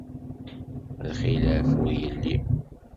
Lxilaf ur yelli.